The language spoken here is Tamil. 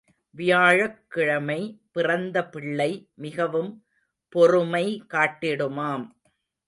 வியாழக் கிழமை பிறந்த பிள்ளை மிகவும் பொறுமை காட்டிடுமாம்.